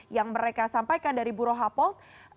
yang mereka sampaikan dari burohapold